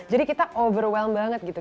jadi kita overwhelmed banget gitu